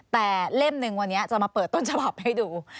แต่เล่มหนึ่งวันนี้จะมาเปิดต้นฉบับให้ดู